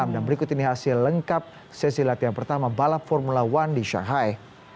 dan berikut ini hasil lengkap sesi latihan pertama balap formula one di shanghai